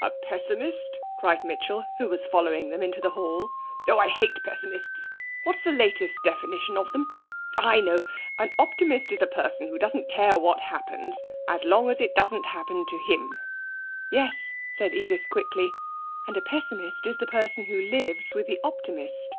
'A pessimist!' cried Mitchell, who was following them into the hall. 'Oh, I hate pessimists! What's the latest definition of them? Ah, I know; an optimist is a person who doesn't care what happens as long as it doesn't happen to him.' 'Yes,' said Edith quickly, 'and a pessimist is the person who lives with the optimist.'